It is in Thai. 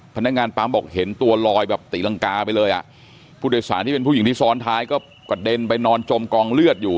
พนักงานปั๊มบอกเห็นตัวลอยแบบตีรังกาไปเลยอ่ะผู้โดยสารที่เป็นผู้หญิงที่ซ้อนท้ายก็กระเด็นไปนอนจมกองเลือดอยู่